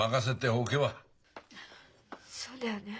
そうだよね！